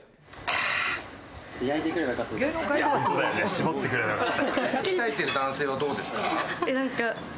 絞ってくればよかった。